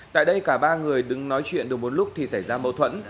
tại đây cả ba người đứng nói chuyện được một lúc thì xảy ra mâu thuẫn